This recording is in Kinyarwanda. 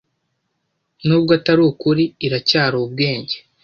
Nubwo atari ukuri, iracyari ubwenge